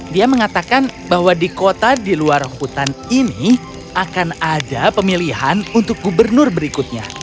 dia mengatakan bahwa di kota di luar hutan ini akan ada pemilihan untuk gubernur berikutnya